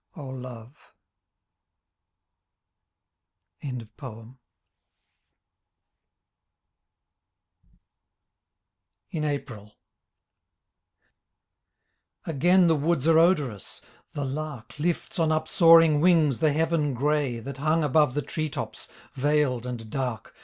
. Oh Love 23 IN APRIL Again the woods are odorous, the lark Lifts on upsoaring wings the heaven gray That hung above the tree tops, veiled and dark.